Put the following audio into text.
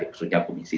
maksudnya komisi satu